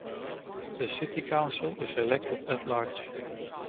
The city council is elected at-large.